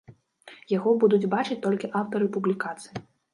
Яго будуць бачыць толькі аўтары публікацый.